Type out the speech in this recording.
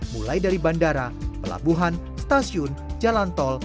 mulai dari bandara pelabuhan stasiun jalan tol